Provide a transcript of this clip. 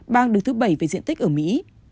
bang được thứ bảy về diện tích ở mỹ